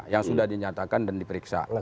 yang sudah dinyatakan dan diperiksa